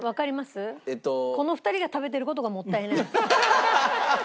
この２人が食べてる事がもったいない。